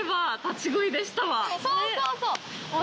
そうそうそう！